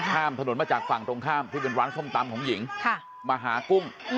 ข้ามถนนมาจากฝั่งตรงข้ามที่เป็นร้านส้มตำของหญิงมาหากุ้ง